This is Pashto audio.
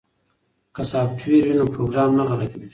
که سافټویر وي نو پروګرام نه غلطیږي.